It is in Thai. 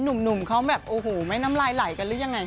หนุ่มเขาแบบโอ้โหไม่น้ำลายไหลกันหรือยังไง